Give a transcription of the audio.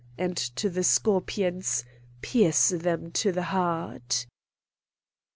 and to the scorpions: "Pierce them to the heart!"